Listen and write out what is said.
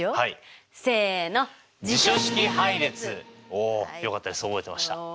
およかったです覚えてました。